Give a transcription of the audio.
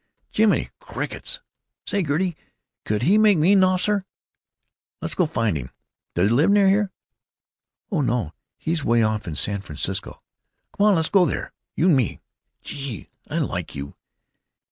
"Jiminy crickets! Say, Gertie, could he make me a norficer? Let's go find him. Does he live near here?" "Oh my, no! He's 'way off in San Francisco." "Come on. Let's go there. You and me. Gee! I like you!